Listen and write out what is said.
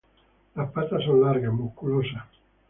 Las patas son largas, musculosas.